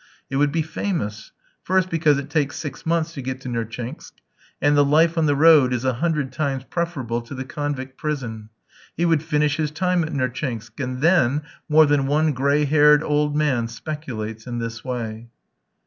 It would be famous, first because it takes six months to get to Nertchinsk, and the life on the road is a hundred times preferable to the convict prison. He would finish his time at Nertchinsk, and then more than one gray haired old man speculates in this way.